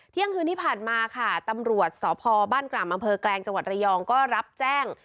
เที่ยงคืนที่ผ่านมาค่ะตำรวจสพบ้านกล่ำอำเภอแกลงจังหวัดระยองก็รับแจ้ง